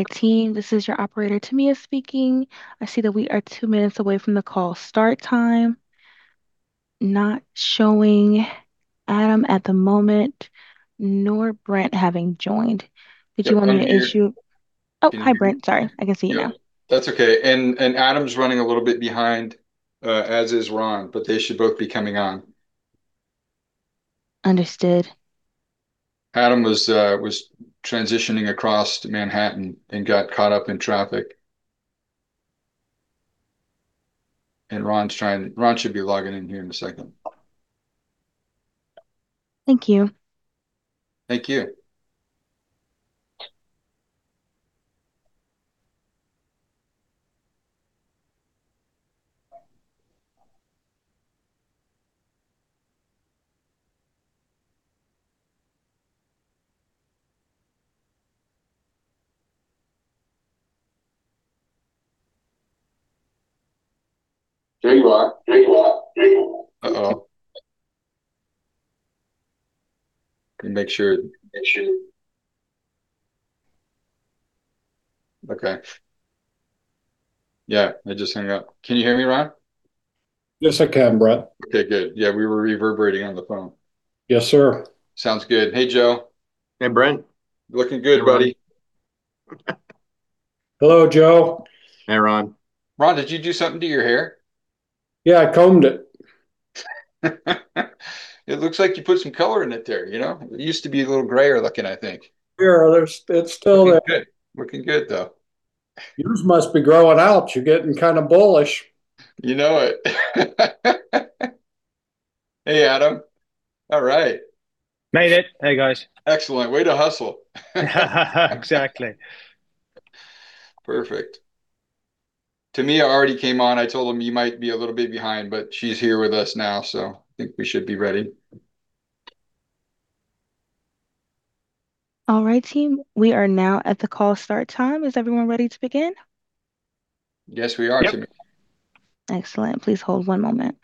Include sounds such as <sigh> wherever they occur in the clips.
All right, team, this is your operator, Tamia, speaking. I see that we are two minutes away from the call start time. Not showing Adam at the moment, nor Brent having joined. Did you want to issue? Oh, hi, Brent. Sorry. I can see you now. That's okay, and Adam's running a little bit behind, as is Ron, but they should both be coming on. Understood. Adam was transitioning across to Manhattan and got caught up in traffic, and Ron's trying, Ron should be logging in here in a second. Thank you. Thank you. There you are. There you are. Uh-oh. Let me make sure. Make sure. Okay. Yeah, I just hung up. Can you hear me, Ron? Yes, I can, Brent. Okay, good. Yeah, we were reverberating on the phone. Yes, sir. Sounds good. Hey, Joe. Hey, Brent. Looking good, buddy. Hello, Joe. Hey, Ron. Ron, did you do something to your hair? Yeah, I combed it. It looks like you put some color in it there. It used to be a little grayer looking, I think. Yeah, it's still there. Looking good. Looking good, though. Yours must be growing out. You're getting kind of bullish. You know it. Hey, Adam. All right. Made it. Hey, guys. Excellent. Way to hustle. Exactly. Perfect. Tamia already came on. I told them you might be a little bit behind, but she's here with us now, so I think we should be ready. All right, team. We are now at the call start time. Is everyone ready to begin? Yes, we are, Tamia. Excellent. Please hold one moment.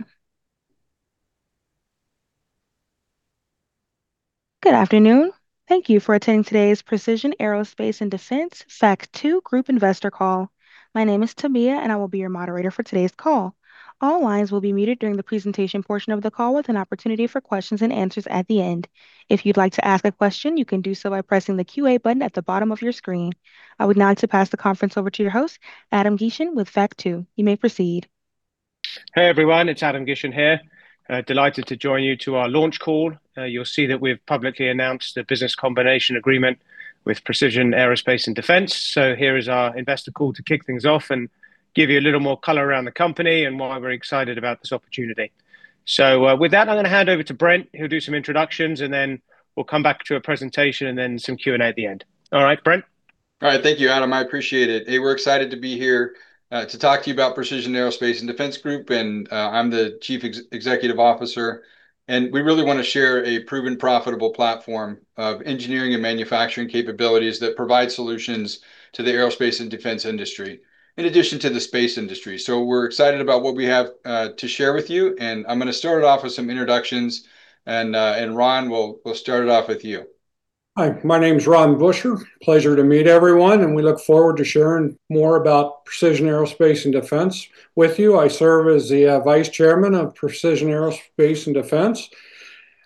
Good afternoon. Thank you for attending today's Precision Aerospace & Defense Factor II Group Investor Call. My name is Tamia, and I will be your moderator for today's call. All lines will be muted during the presentation portion of the call with an opportunity for questions and answers at the end. If you'd like to ask a question, you can do so by pressing the QA button at the bottom of your screen. I would now like to pass the conference over to your host, Adam Gishen, with Factor II. You may proceed. Hey, everyone. It's Adam Gishen here. Delighted to join you to our launch call. You'll see that we've publicly announced a business combination agreement with Precision Aerospace & Defense. So here is our investor call to kick things off and give you a little more color around the company and why we're excited about this opportunity. So with that, I'm going to hand over to Brent, who'll do some introductions, and then we'll come back to a presentation and then some Q&A at the end. All right, Brent? All right. Thank you, Adam. I appreciate it. Hey, we're excited to be here to talk to you about Precision Aerospace & Defense Group, and I'm the Chief Executive Officer, and we really want to share a proven profitable platform of engineering and manufacturing capabilities that provide solutions to the aerospace and defense industry, in addition to the space industry, so we're excited about what we have to share with you, and I'm going to start it off with some introductions, and Ron, we'll start it off with you. Hi, my name's Ron Buschur. Pleasure to meet everyone, and we look forward to sharing more about Precision Aerospace & Defense with you. I serve as the Vice Chairman of Precision Aerospace & Defense.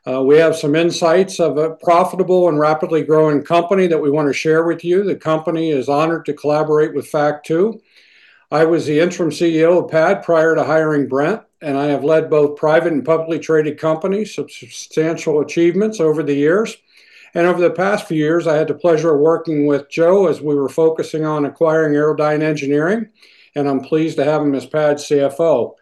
We have some insights of a profitable and rapidly growing company that we want to share with you. The company is honored to collaborate with Factor II. I was the interim CEO of PAD prior to hiring Brent, and I have led both private and publicly traded companies, substantial achievements over the years and over the past few years, I had the pleasure of working with Joe as we were focusing on acquiring Aerodyne Engineering, and I'm pleased to have him as PAD's CFO.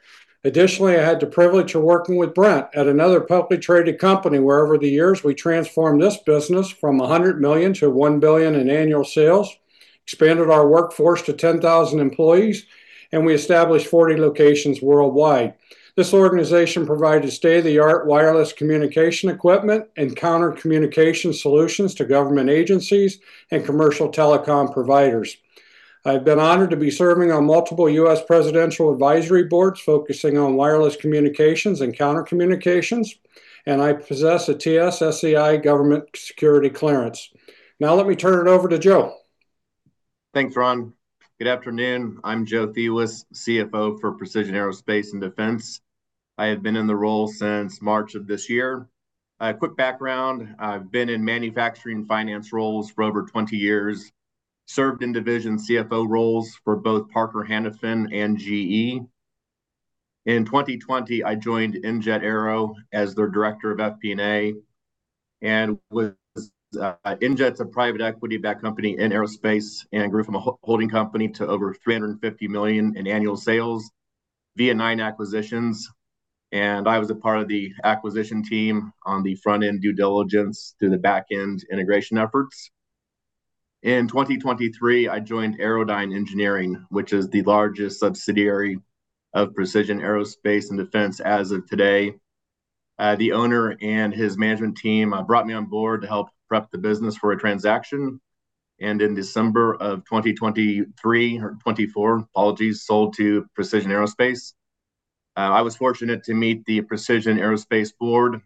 Additionally, I had the privilege of working with Brent at another publicly traded company where, over the years, we transformed this business from 100 million to one billion in annual sales, expanded our workforce to 10,000 employees, and we established 40 locations worldwide. This organization provides state-of-the-art wireless communication equipment and counter-communication solutions to government agencies and commercial telecom providers. I've been honored to be serving on multiple U.S. presidential advisory boards focusing on wireless communications and counter-communications, and I possess a TS/SCI government security clearance. Now, let me turn it over to Joe. Thanks, Ron. Good afternoon. I'm Joe Thiewes, CFO for Precision Aerospace & Defense. I have been in the role since March of this year. Quick background: I've been in manufacturing and finance roles for over 20 years, served in division CFO roles for both Parker Hannifin and GE. In 2020, I joined Ingot Aero as their director of FP&A, and Inget's a private equity-backed company in aerospace and grew from a holding company to over $350 million in annual sales via nine acquisitions, and I was a part of the acquisition team on the front-end due diligence through the back-end integration efforts. In 2023, I joined Aerodyne Engineering, which is the largest subsidiary of Precision Aerospace & Defense as of today. The owner and his management team brought me on board to help prep the business for a transaction. And in December of 2023 or 2024, apologies, sold to Precision Aerospace. I was fortunate to meet the Precision Aerospace board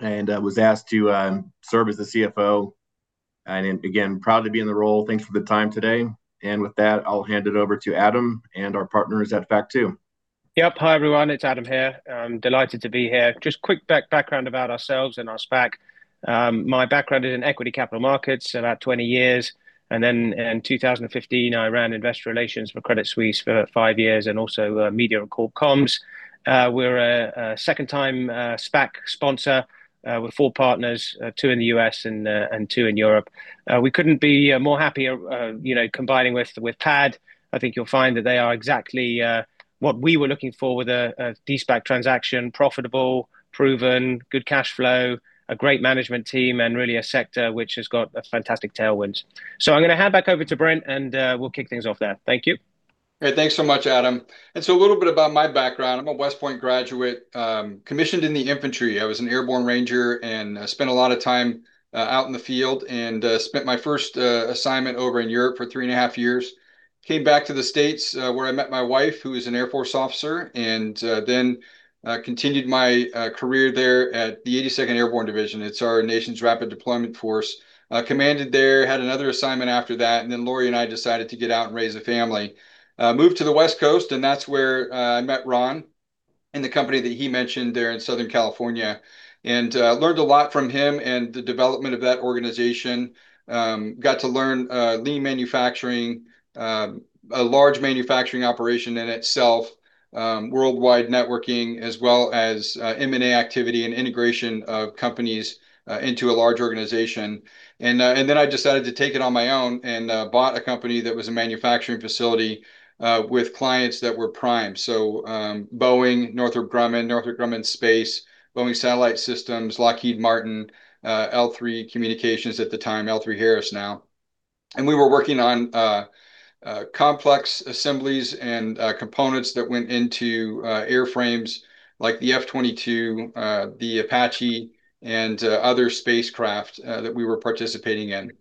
and was asked to serve as the CFO. And again, proud to be in the role. Thanks for the time today. And with that, I'll hand it over to Adam and our partners at Factor II. Yep. Hi, everyone. It's Adam here. I'm delighted to be here. Just quick background about ourselves and our SPAC. My background is in equity capital markets, about 20 years, and then in 2015, I ran investor relations for Credit Suisse for five years and also media and corp comms. We're a second-time SPAC sponsor with four partners, two in the U.S. and two in Europe. We couldn't be more happy combining with PAD. I think you'll find that they are exactly what we were looking for with a De-SPAC transaction: profitable, proven, good cash flow, a great management team, and really a sector which has got fantastic tailwinds. So I'm going to hand back over to Brent, and we'll kick things off there. Thank you. Hey, thanks so much, Adam. And so a little bit about my background. I'm a West Point graduate, commissioned in the infantry. I was an airborne ranger and spent a lot of time out in the field and spent my first assignment over in Europe for three and a half years. Came back to the States where I met my wife, who is an Air Force officer, and then continued my career there at the 82nd Airborne Division. It's our nation's rapid deployment force. Commanded there, had another assignment after that, and then Laurie and I decided to get out and raise a family. Moved to the West Coast, and that's where I met Ron and the company that he mentioned there in Southern California. And learned a lot from him and the development of that organization. got to learn lean manufacturing, a large manufacturing operation in itself, worldwide networking, as well as M&A activity and integration of companies into a large organization. Then I decided to take it on my own and bought a company that was a manufacturing facility with clients that were prime. So Boeing, Northrop Grumman, Northrop Grumman Space, Boeing Satellite Systems International, Lockheed Martin, L3 Communications at the time, L3Harris now. And we were working on complex assemblies and components that went into airframes like the F-22, the Apache, and other spacecraft that we were participating in.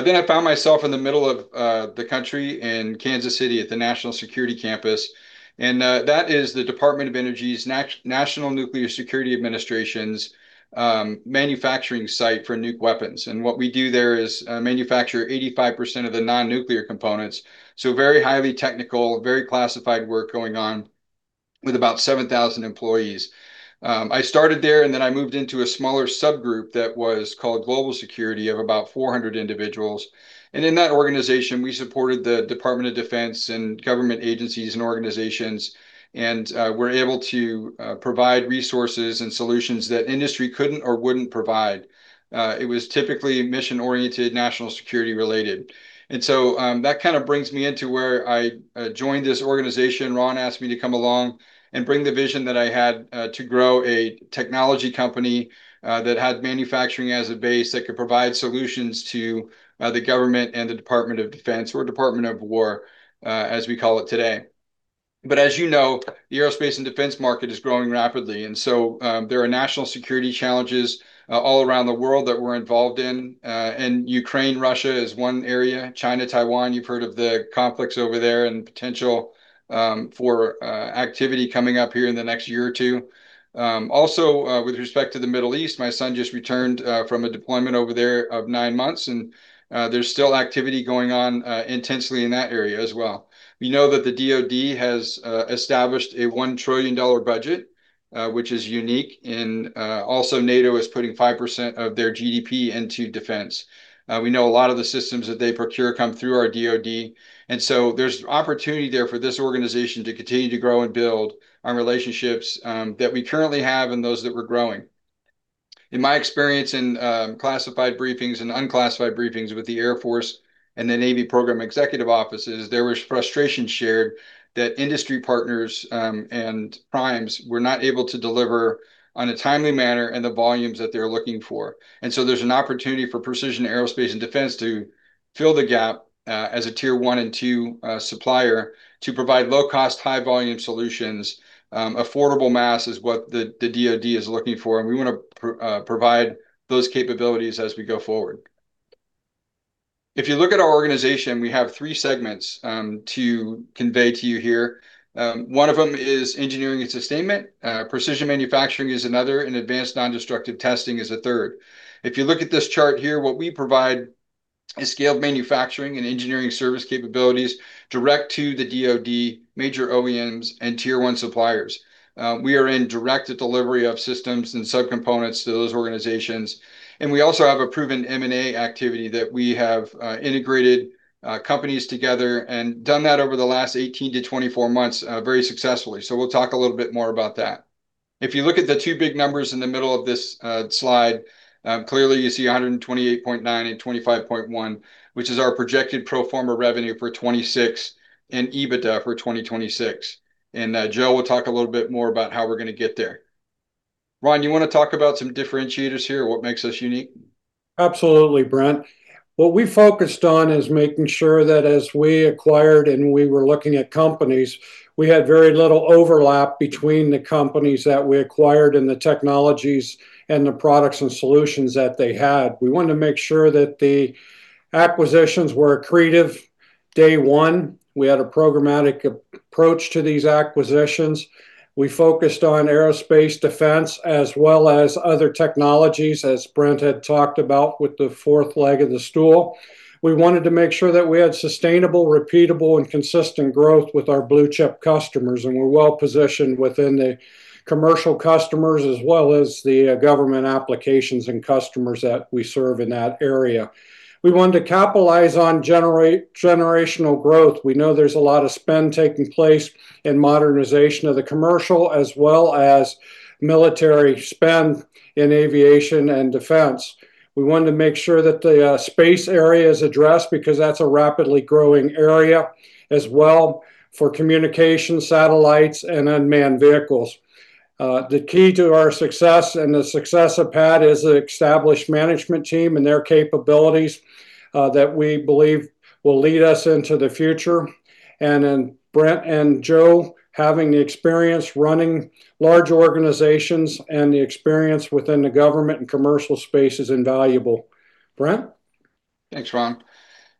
Then I found myself in the middle of the country in Kansas City at the Kansas City National Security Campus. And that is the Department of Energy's National Nuclear Security Administration's manufacturing site for nuke weapons. And what we do there is manufacture 85% of the non-nuclear components. So very highly technical, very classified work going on with about 7,000 employees. I started there, and then I moved into a smaller subgroup that was called Global Security of about 400 individuals. And in that organization, we supported the Department of Defense and government agencies and organizations and were able to provide resources and solutions that industry couldn't or wouldn't provide. It was typically mission-oriented, national security-related. And so that kind of brings me into where I joined this organization. Ron asked me to come along and bring the vision that I had to grow a technology company that had manufacturing as a base that could provide solutions to the government and the Department of Defense or Department of War, as we call it today. But as you know, the aerospace and defense market is growing rapidly. And so there are national security challenges all around the world that we're involved in. And Ukraine, Russia is one area. China, Taiwan, you've heard of the conflicts over there and potential for activity coming up here in the next year or two. Also, with respect to the Middle East, my son just returned from a deployment over there of nine months, and there's still activity going on intensely in that area as well. We know that the DOD has established a $1 trillion budget, which is unique. And also, NATO is putting 5% of their GDP into defense. We know a lot of the systems that they procure come through our DOD. And so there's opportunity there for this organization to continue to grow and build our relationships that we currently have and those that we're growing. In my experience in classified briefings and unclassified briefings with the Air Force and the Navy program executive offices, there was frustration shared that industry partners and primes were not able to deliver in a timely manner and the volumes that they're looking for, and so there's an opportunity for Precision Aerospace & Defense to fill the gap as a tier one and two supplier to provide low-cost, high-volume solutions. Affordable mass is what the DOD is looking for, and we want to provide those capabilities as we go forward. If you look at our organization, we have three segments to convey to you here. One of them is engineering and sustainment. Precision manufacturing is another, and advanced non-destructive testing is a third. If you look at this chart here, what we provide is scaled manufacturing and engineering service capabilities direct to the DOD, major OEMs, and tier one suppliers. We are in direct delivery of systems and subcomponents to those organizations, and we also have a proven M&A activity that we have integrated companies together and done that over the last 18-24 months very successfully, so we'll talk a little bit more about that. If you look at the two big numbers in the middle of this slide, clearly you see 128.9 and 25.1, which is our projected pro forma revenue for 2026 and EBITDA for 2026, and Joe will talk a little bit more about how we're going to get there. Ron, you want to talk about some differentiators here, what makes us unique? Absolutely, Brent. What we focused on is making sure that as we acquired and we were looking at companies, we had very little overlap between the companies that we acquired and the technologies and the products and solutions that they had. We wanted to make sure that the acquisitions were accretive day one. We had a programmatic approach to these acquisitions. We focused on aerospace defense as well as other technologies, as Brent had talked about with the fourth leg of the stool. We wanted to make sure that we had sustainable, repeatable, and consistent growth with our blue chip customers, and we're well positioned within the commercial customers as well as the government applications and customers that we serve in that area. We wanted to capitalize on generational growth. We know there's a lot of spend taking place in modernization of the commercial as well as military spend in aviation and defense. We wanted to make sure that the space area is addressed because that's a rapidly growing area as well for communication, satellites, and unmanned vehicles. The key to our success and the success of PAD is the established management team and their capabilities that we believe will lead us into the future. And Brent and Joe having the experience running large organizations and the experience within the government and commercial space is invaluable. Brent? Thanks, Ron.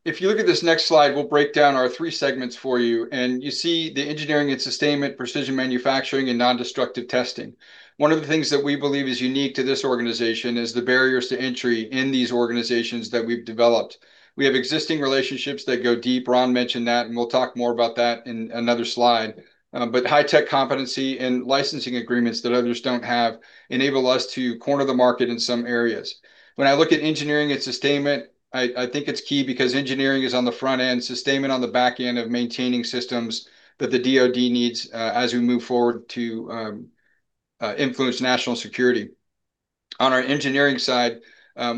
If you look at this next slide, we'll break down our three segments for you, and you see the engineering and sustainment, precision manufacturing, and non-destructive testing. One of the things that we believe is unique to this organization is the barriers to entry in these organizations that we've developed. We have existing relationships that go deep. Ron mentioned that, and we'll talk more about that in another slide, but high-tech competency and licensing agreements that others don't have enable us to corner the market in some areas. When I look at engineering and sustainment, I think it's key because engineering is on the front end, sustainment on the back end of maintaining systems that the DOD needs as we move forward to influence national security. On our engineering side,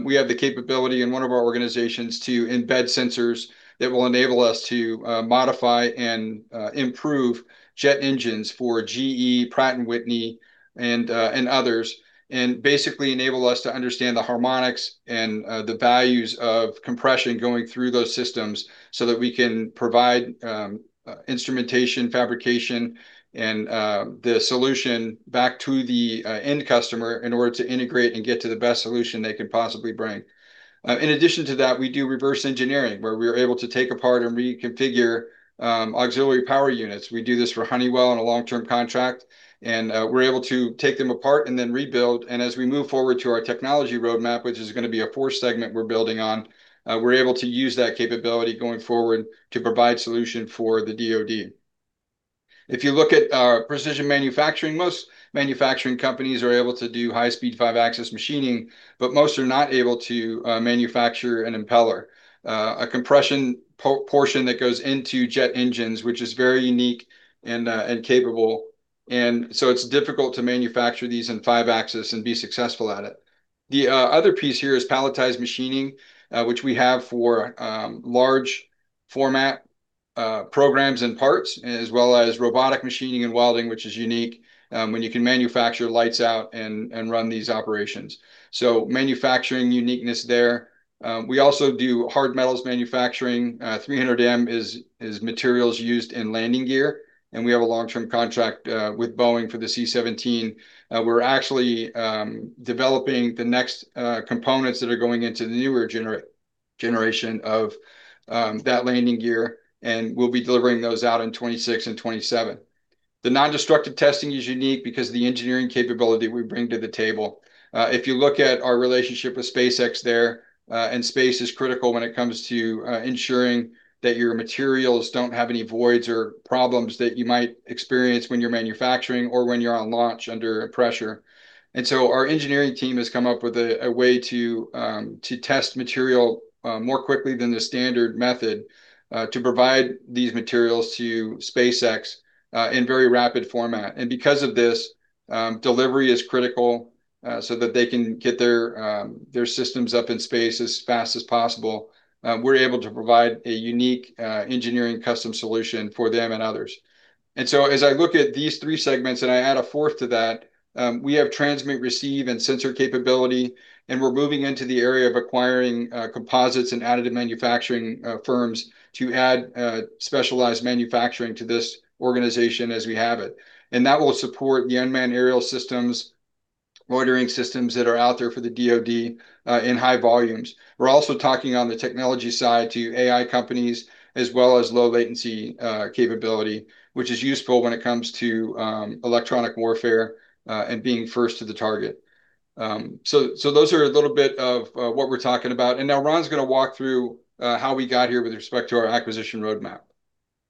we have the capability in one of our organizations to embed sensors that will enable us to modify and improve jet engines for GE, Pratt & Whitney, and others, and basically enable us to understand the harmonics and the values of compression going through those systems so that we can provide instrumentation, fabrication, and the solution back to the end customer in order to integrate and get to the best solution they can possibly bring. In addition to that, we do reverse engineering where we are able to take apart and reconfigure auxiliary power units. We do this for Honeywell on a long-term contract, and we're able to take them apart and then rebuild. And as we move forward to our technology roadmap, which is going to be a fourth segment we're building on, we're able to use that capability going forward to provide solution for the DOD. If you look at precision manufacturing, most manufacturing companies are able to do high-speed 5-axis machining, but most are not able to manufacture an impeller, a compression portion that goes into jet engines, which is very unique and capable. And so it's difficult to manufacture these in 5-axis and be successful at it. The other piece here is palletized machining, which we have for large format programs and parts, as well as robotic machining and welding, which is unique when you can manufacture lights out and run these operations. So manufacturing uniqueness there. We also do hard metals manufacturing. 300M is materials used in landing gear. We have a long-term contract with Boeing for the C-17. We're actually developing the next components that are going into the newer generation of that landing gear, and we'll be delivering those out in 2026 and 2027. The non-destructive testing is unique because of the engineering capability we bring to the table. If you look at our relationship with SpaceX there, and space is critical when it comes to ensuring that your materials don't have any voids or problems that you might experience when you're manufacturing or when you're on launch under pressure. And so our engineering team has come up with a way to test material more quickly than the standard method to provide these materials to SpaceX in very rapid format. And because of this, delivery is critical so that they can get their systems up in space as fast as possible. We're able to provide a unique engineering custom solution for them and others. And so as I look at these three segments and I add a fourth to that, we have transmit, receive, and sensor capability. And we're moving into the area of acquiring composites and additive manufacturing firms to add specialized manufacturing to this organization as we have it. And that will support the unmanned aerial systems, loitering systems that are out there for the DOD in high volumes. We're also talking on the technology side to AI companies as well as low-latency capability, which is useful when it comes to electronic warfare and being first to the target. So those are a little bit of what we're talking about. And now Ron's going to walk through how we got here with respect to our acquisition roadmap.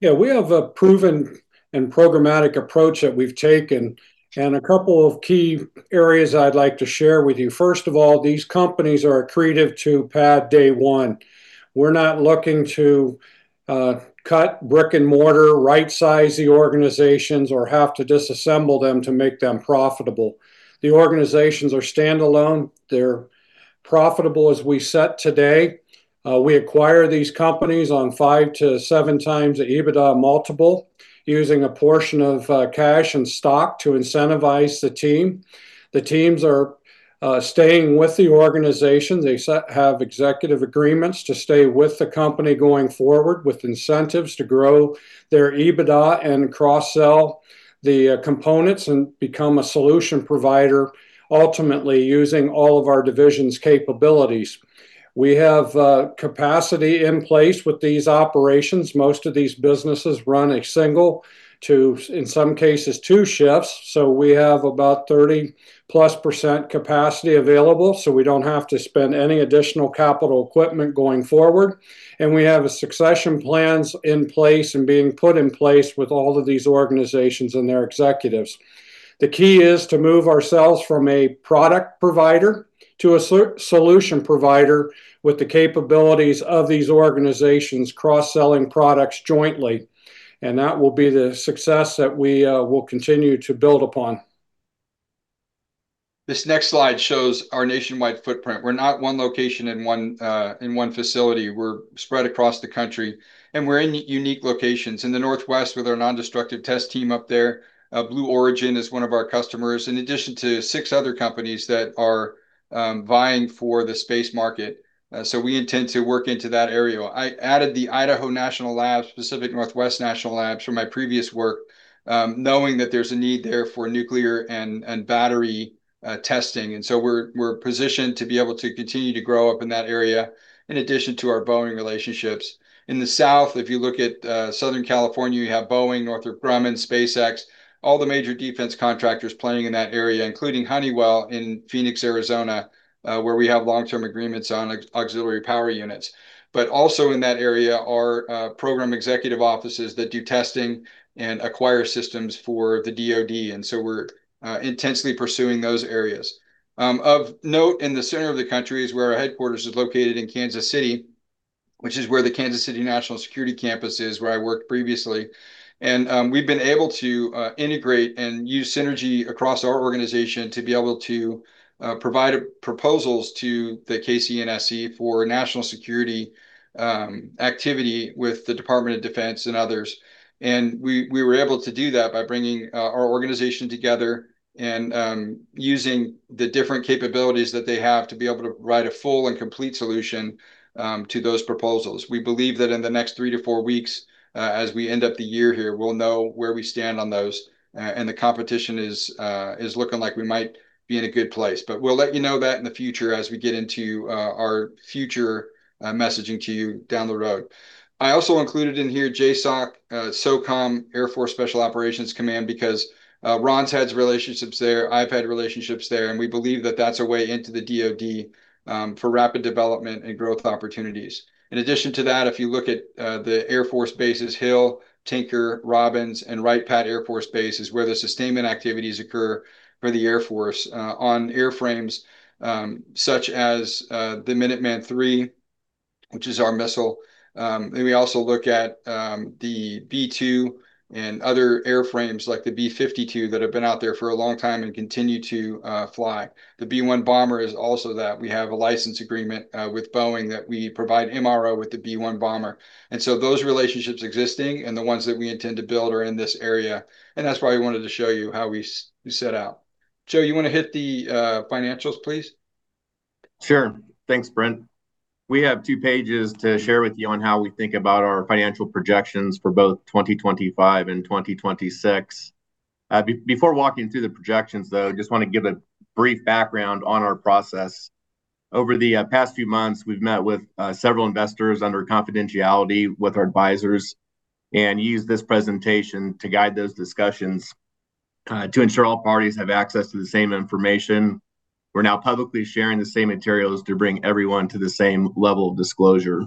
Yeah, we have a proven and programmatic approach that we've taken, and a couple of key areas I'd like to share with you. First of all, these companies are accretive to PAD day one. We're not looking to cut brick and mortar, right-size the organizations, or have to disassemble them to make them profitable. The organizations are standalone. They're profitable as we sit today. We acquire these companies on five to seven times the EBITDA multiple using a portion of cash and stock to incentivize the team. The teams are staying with the organization. They have executive agreements to stay with the company going forward with incentives to grow their EBITDA and cross-sell the components and become a solution provider, ultimately using all of our division's capabilities. We have capacity in place with these operations. Most of these businesses run a single to, in some cases, two shifts. We have about +30% capacity available, so we don't have to spend any additional capital equipment going forward. We have succession plans in place and being put in place with all of these organizations and their executives. The key is to move ourselves from a product provider to a solution provider with the capabilities of these organizations cross-selling products jointly. That will be the success that we will continue to build upon. This next slide shows our nationwide footprint. We're not one location in one facility. We're spread across the country. And we're in unique locations. In the northwest, with our non-destructive test team up there, Blue Origin is one of our customers, in addition to six other companies that are vying for the space market. So we intend to work into that area. I added the Idaho National Laboratory, Pacific Northwest National Laboratory from my previous work, knowing that there's a need there for nuclear and battery testing. And so we're positioned to be able to continue to grow up in that area, in addition to our Boeing relationships. In the south, if you look at Southern California, you have Boeing, Northrop Grumman, SpaceX, all the major defense contractors playing in that area, including Honeywell in Phoenix, Arizona, where we have long-term agreements on auxiliary power units. But also in that area are program executive offices that do testing and acquire systems for the DOD. And so we're intensely pursuing those areas. Of note, in the center of the country is where our headquarters is located in Kansas City, which is where the Kansas City National Security Campus is, where I worked previously. And we've been able to integrate and use synergy across our organization to be able to provide proposals to the KCNSC for national security activity with the Department of Defense and others. And we were able to do that by bringing our organization together and using the different capabilities that they have to be able to provide a full and complete solution to those proposals. We believe that in the next three to four weeks, as we end up the year here, we'll know where we stand on those. And the competition is looking like we might be in a good place. But we'll let you know that in the future as we get into our future messaging to you down the road. I also included in here JSOC, SOCOM, Air Force Special Operations Command, because Ron's had relationships there. I've had relationships there. And we believe that that's a way into the DOD for rapid development and growth opportunities. In addition to that, if you look at the Air Force Bases, Hill, Tinker, Robins, and Wright-Patt Air Force Bases, where the sustainment activities occur for the Air Force on airframes such as the Minuteman III, which is our missile. And we also look at the B-2 and other airframes like the B-52 that have been out there for a long time and continue to fly. The B-1 bomber is also that. We have a license agreement with Boeing that we provide MRO with the B-1 bomber. And so those relationships existing, and the ones that we intend to build are in this area. And that's why we wanted to show you how we set out. Joe, you want to hit the financials, please? Sure. Thanks, Brent. We have two pages to share with you on how we think about our financial projections for both 2025 and 2026. Before walking through the projections, though, I just want to give a brief background on our process. Over the past few months, we've met with several investors under confidentiality with our advisors and used this presentation to guide those discussions to ensure all parties have access to the same information. We're now publicly sharing the same materials to bring everyone to the same level of disclosure.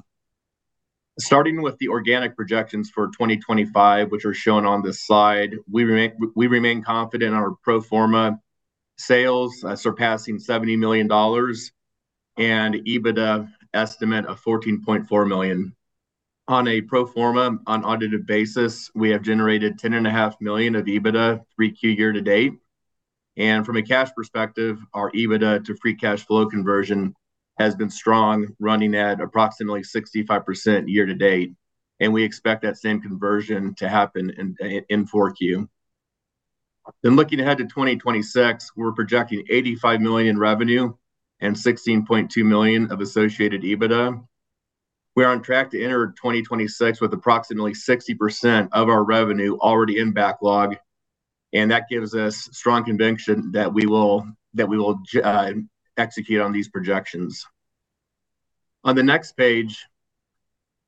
Starting with the organic projections for 2025, which are shown on this slide, we remain confident in our pro forma sales, surpassing $70 million, and EBITDA estimate of $14.4 million. On a pro forma, on audited basis, we have generated $10.5 million of EBITDA, three-quarters year to date. From a cash perspective, our EBITDA to free cash flow conversion has been strong, running at approximately 65% year to date. We expect that same conversion to happen in four quarters. Looking ahead to 2026, we're projecting $85 million in revenue and $16.2 million of associated EBITDA. We're on track to enter 2026 with approximately 60% of our revenue already in backlog. That gives us strong conviction that we will execute on these projections. On the next page,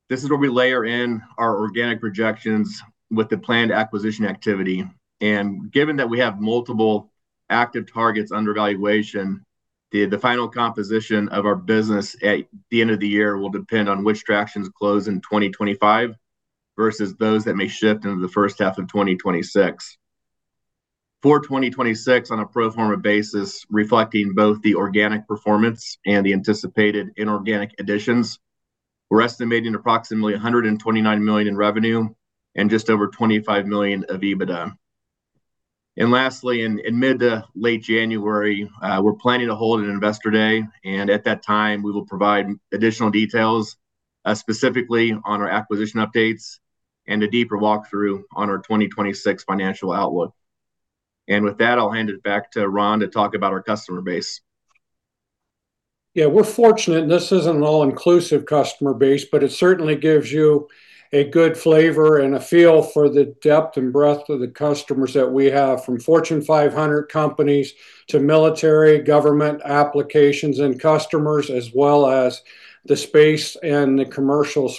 this is where we layer in our organic projections with the planned acquisition activity. Given that we have multiple active targets under valuation, the final composition of our business at the end of the year will depend on which transactions close in 2025 versus those that may shift into the first half of 2026. For 2026, on a pro forma basis, reflecting both the organic performance and the anticipated inorganic additions, we're estimating approximately $129 million in revenue and just over $25 million of EBITDA. And lastly, in mid to late January, we're planning to hold an investor day. And at that time, we will provide additional details, specifically on our acquisition updates and a deeper walkthrough on our 2026 financial outlook. And with that, I'll hand it back to Ron to talk about our customer base. Yeah, we're fortunate. This isn't an all-inclusive customer base, but it certainly gives you a good flavor and a feel for the depth and breadth of the customers that we have, from Fortune 500 companies to military, government applications and customers, as well as the space and the commercial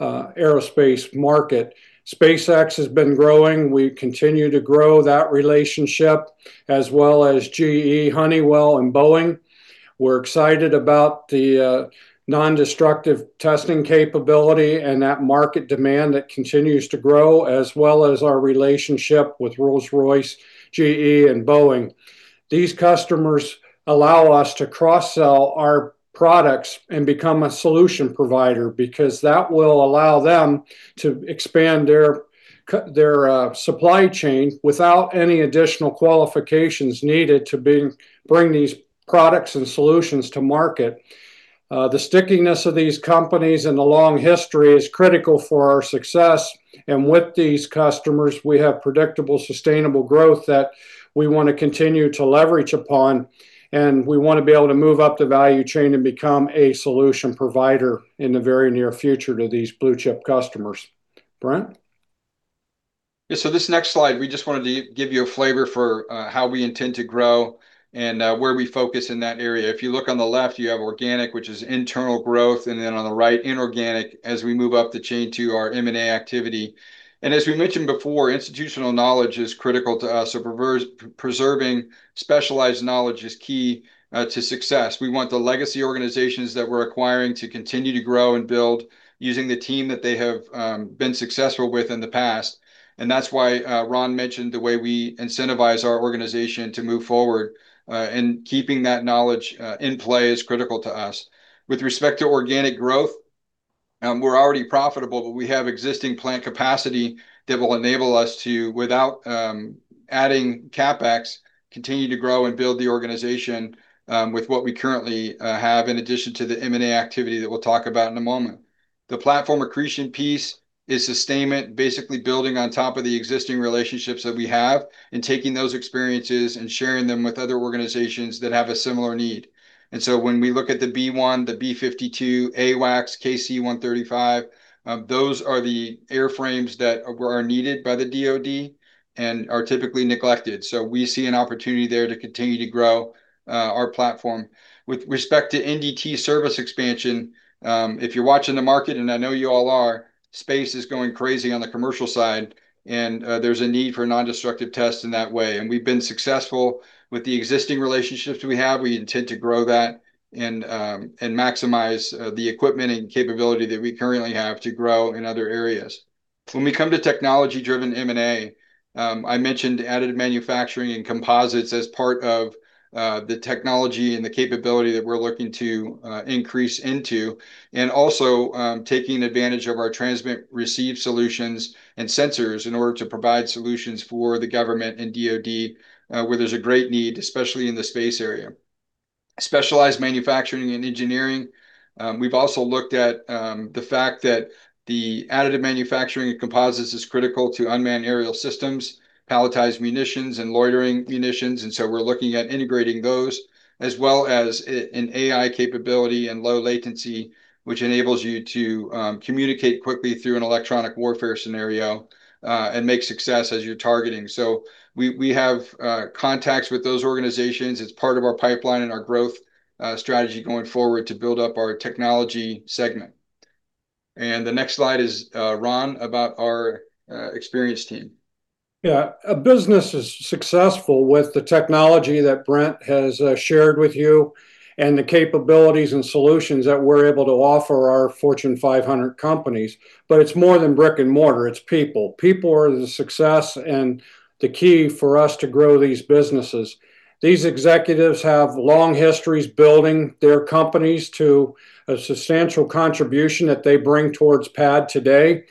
aerospace market. SpaceX has been growing. We continue to grow that relationship, as well as GE, Honeywell, and Boeing. We're excited about the non-destructive testing capability and that market demand that continues to grow, as well as our relationship with Rolls-Royce, GE, and Boeing. These customers allow us to cross-sell our products and become a solution provider because that will allow them to expand their supply chain without any additional qualifications needed to bring these products and solutions to market. The stickiness of these companies and the long history is critical for our success. With these customers, we have predictable sustainable growth that we want to continue to leverage upon. We want to be able to move up the value chain and become a solution provider in the very near future to these blue-chip customers. Brent? Yeah, so this next slide, we just wanted to give you a flavor for how we intend to grow and where we focus in that area. If you look on the left, you have organic, which is internal growth, and then on the right, inorganic, as we move up the chain to our M&A activity, and as we mentioned before, institutional knowledge is critical to us, so preserving specialized knowledge is key to success. We want the legacy organizations that we're acquiring to continue to grow and build using the team that they have been successful with in the past, and that's why Ron mentioned the way we incentivize our organization to move forward, and keeping that knowledge in play is critical to us. With respect to organic growth, we're already profitable, but we have existing plant capacity that will enable us to, without adding CapEx, continue to grow and build the organization with what we currently have, in addition to the M&A activity that we'll talk about in a moment. The platform accretion piece is sustainment, basically building on top of the existing relationships that we have and taking those experiences and sharing them with other organizations that have a similar need. And so when we look at the B-1, the B-52, AWACS, KC-135, those are the airframes that are needed by the DOD and are typically neglected. So we see an opportunity there to continue to grow our platform. With respect to NDT service expansion, if you're watching the market, and I know you all are, space is going crazy on the commercial side. There's a need for non-destructive tests in that way. We've been successful with the existing relationships we have. We intend to grow that and maximize the equipment and capability that we currently have to grow in other areas. When we come to technology-driven M&A, I mentioned additive manufacturing and composites as part of the technology and the capability that we're looking to increase into, and also taking advantage of our transmit-receive solutions and sensors in order to provide solutions for the government and DOD, where there's a great need, especially in the space area. Specialized manufacturing and engineering. We've also looked at the fact that the additive manufacturing of composites is critical to unmanned aerial systems, palletized munitions, and loitering munitions. And so we're looking at integrating those, as well as an AI capability and low latency, which enables you to communicate quickly through an electronic warfare scenario and make success as you're targeting. So we have contacts with those organizations. It's part of our pipeline and our growth strategy going forward to build up our technology segment. And the next slide is Ron about our executive team. Yeah, a business is successful with the technology that Brent has shared with you and the capabilities and solutions that we're able to offer our Fortune 500 companies. But it's more than brick and mortar. It's people. People are the success and the key for us to grow these businesses. These executives have long histories building their companies to a substantial contribution that they bring towards PAD today.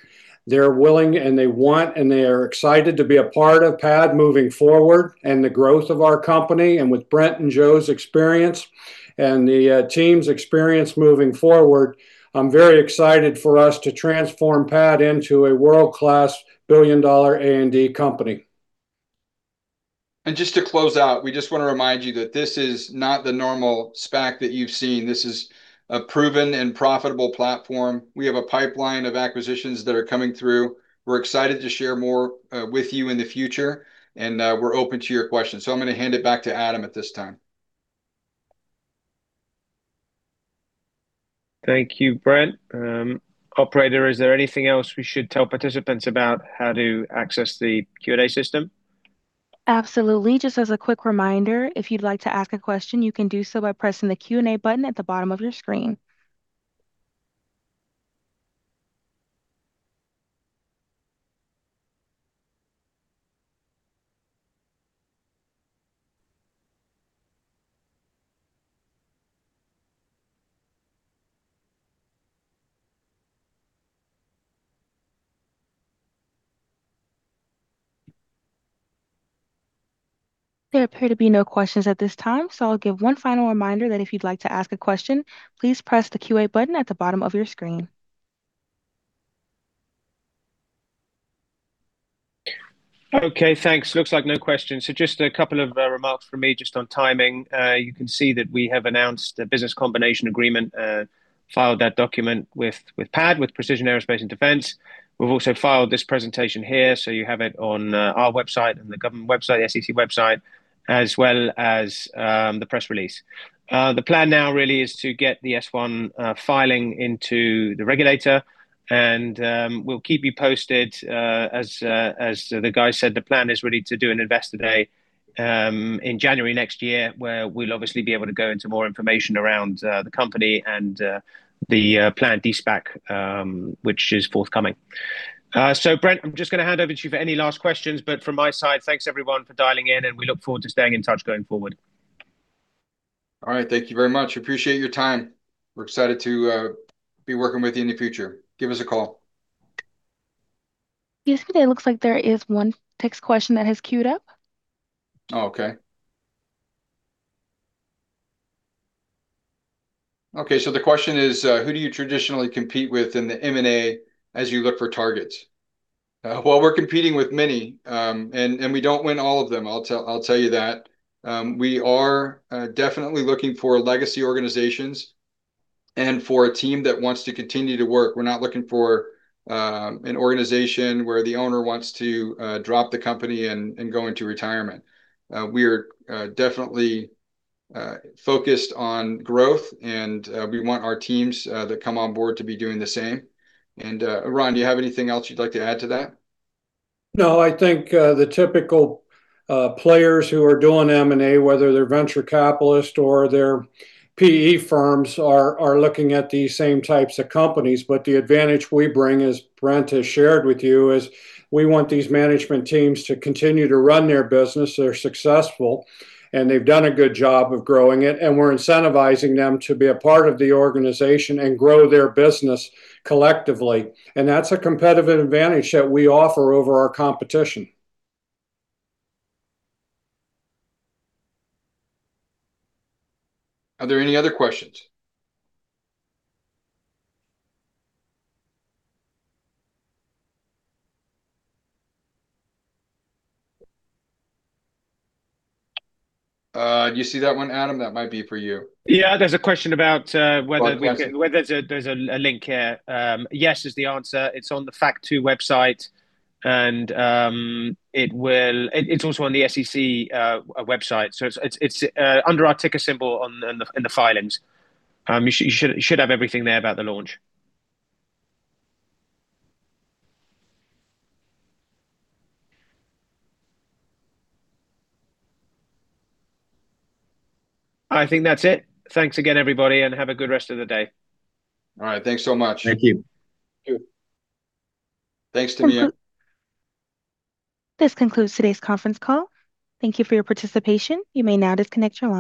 They're willing, and they want, and they are excited to be a part of PAD moving forward and the growth of our company. And with Brent and Joe's experience and the team's experience moving forward, I'm very excited for us to transform PAD into a world-class billion-dollar A&D company. Just to close out, we just want to remind you that this is not the normal SPAC that you've seen. This is a proven and profitable platform. We have a pipeline of acquisitions that are coming through. We're excited to share more with you in the future. And we're open to your questions. So I'm going to hand it back to Adam at this time. Thank you, Brent. Operator, is there anything else we should tell participants about how to access the Q&A system? Absolutely. Just as a quick reminder, if you'd like to ask a question, you can do so by pressing the Q&A button at the bottom of your screen. There appear to be no questions at this time. So I'll give one final reminder that if you'd like to ask a question, please press the Q&A button at the bottom of your screen. Okay, thanks. Looks like no questions. So just a couple of remarks from me just on timing. You can see that we have announced a business combination agreement, filed that document with PAD, with Precision Aerospace & Defense. We've also filed this presentation here. So you have it on our website and the government website, the SEC website, as well as the press release. The plan now really is to get the S-1 filing into the regulator. And we'll keep you posted. As the guy said, the plan is really to do an investor day in January next year, where we'll obviously be able to go into more information around the company and the planned De-SPAC, which is forthcoming. So Brent, I'm just going to hand over to you for any last questions. But from my side, thanks everyone for dialing in. We look forward to staying in touch going forward. All right, thank you very much. Appreciate your time. We're excited to be working with you in the future. Give us a call. Yesterday, it looks like there is one text question that has queued up. Oh, okay. Okay, so the question is, who do you traditionally compete with in the M&A as you look for targets? Well, we're competing with many. And we don't win all of them. I'll tell you that. We are definitely looking for legacy organizations and for a team that wants to continue to work. We're not looking for an organization where the owner wants to drop the company and go into retirement. We are definitely focused on growth. And we want our teams that come on board to be doing the same. And Ron, do you have anything else you'd like to add to that? No, I think the typical players who are doing M&A, whether they're venture capitalists or they're PE firms, are looking at these same types of companies. But the advantage we bring, as Brent has shared with you, is we want these management teams to continue to run their business. They're successful. And they've done a good job of growing it. And we're incentivizing them to be a part of the organization and grow their business collectively. And that's a competitive advantage that we offer over our competition. Are there any other questions? Do you see that one, Adam? That might be for you. Yeah, there's a question about whether <crosstalk> there's a link here. Yes is the answer. It's on the Factor II website, and it's also on the SEC website, so it's under our ticker symbol in the filings. You should have everything there about the launch. I think that's it. Thanks again, everybody, and have a good rest of the day. All right, thanks so much. Thank you. Thanks to you. <crosstalk> This concludes today's conference call. Thank you for your participation. You may now disconnect your.